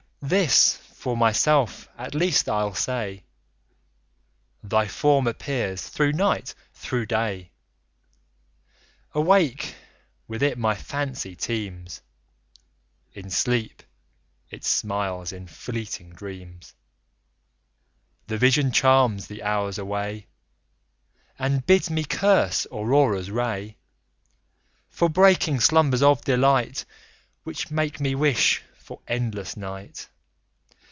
This, for myself, at least, I'll say, Thy form appears through night, through day; Awake, with it my fancy teems, In sleep, it smiles in fleeting dreams; The vision charms the hours away, And bids me curse Aurora's ray For breaking slumbers of delight, Which make me wish for endless night.